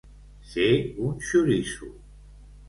Ser un xoriço.